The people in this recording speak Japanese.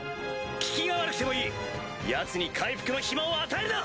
効きが悪くてもいいヤツに回復の暇を与えるな！